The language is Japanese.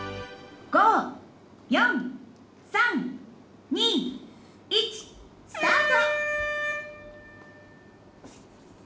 「５４３２１スタート！」。